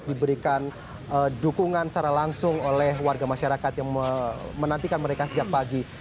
diberikan dukungan secara langsung oleh warga masyarakat yang menantikan mereka sejak pagi